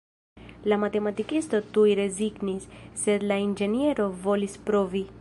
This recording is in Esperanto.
La matematikisto tuj rezignis, sed la inĝeniero volis provi.